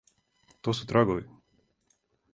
То су трагови.